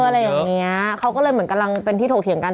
อะไรอย่างเงี้ยเขาก็เลยเหมือนกำลังเป็นที่ถกเถียงกัน